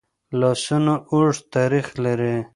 لاسونه اوږد تاریخ لري